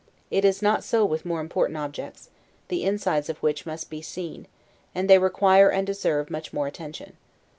It is not so with more important objects; the insides of which must be seen; and they require and deserve much more attention.